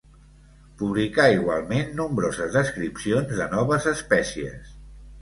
Publicà igualment nombroses descripcions de noves espècies.